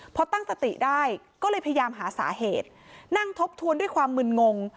พอตั้งสติได้ก็เลยพยายามหาสาเหตุนั่งทบทวนด้วยความมึนงง